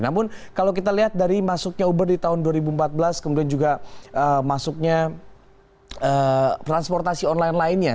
namun kalau kita lihat dari masuknya uber di tahun dua ribu empat belas kemudian juga masuknya transportasi online lainnya